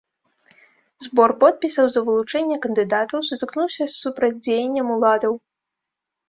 Збор подпісаў за вылучэнне кандыдатаў сутыкнуўся з супрацьдзеяннем уладаў.